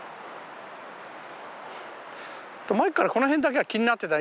前からこの辺だけは気になってた。